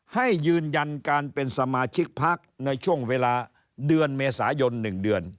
ให้ยืนยันการเป็นสมาชิกพักในช่วงเวลาเดือนเมษายน๑เดือน